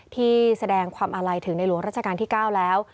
ที่แสดงความอาลัยถึงในหลวงราชการที่๙แล้ว